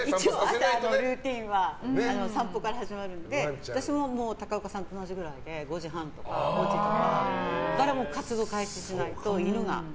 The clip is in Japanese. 朝のルーティンは犬の散歩から始まるので私も高岡さんと同じくらいで５時半とかから活動しないと犬が。